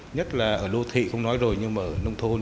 nhất là ở đô thị không nói rồi nhưng mà ở nông thôn